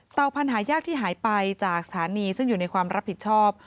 พันธุ์หายากที่หายไปจากสถานีซึ่งอยู่ในความรับผิดชอบ